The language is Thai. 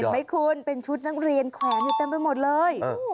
ไหมคุณเป็นชุดนักเรียนแขวนอยู่เต็มไปหมดเลย